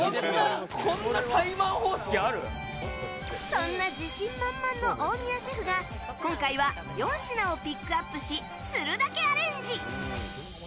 そんな自信満々の大宮シェフが今回は４品をピックアップしするだけアレンジ。